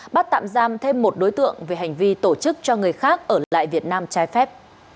bắt tạm giam thêm một đối tượng về hành vi tổ chức cho người khác ở lại việt nam trái phép